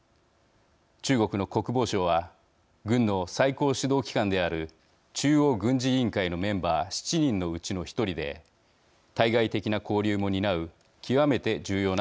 中国の国防相は軍の最高指導機関である中央軍事委員会のメンバー７人のうちの一人で対外的な交流も担う極めて重要なポストです。